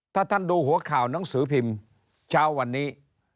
ถ้าท่านดูหัวข่าวหนังสือพิมพ์เช้าวันนี้